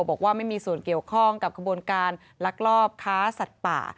บอกว่าไม่มีส่วนเกี่ยวข้องกับขบวนการลักลอบค้าสัตว์ป่า